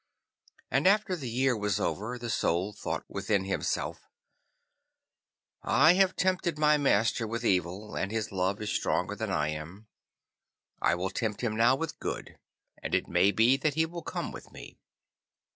And after the year was over, the Soul thought within himself, 'I have tempted my master with evil, and his love is stronger than I am. I will tempt him now with good, and it may be that he will come with me.